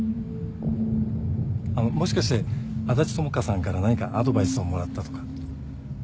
あのもしかして安達智花さんから何かアドバイスをもらったとか？